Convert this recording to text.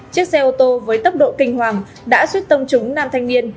chiếc xe ô tô với tốc độ kinh hoàng đã suýt tông trúng nam thanh niên